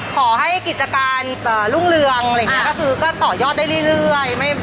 ขอให้กิจการรุ่งเรืองอะไรอย่างนี้ก็คือก็ต่อยอดได้เรื่อย